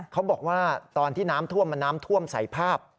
เขาบอกว่าตอนที่น้ำท่วมมันน้ำท่วมใส่ภาพ